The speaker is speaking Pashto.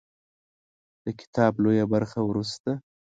د کتاب لویه برخه وروسته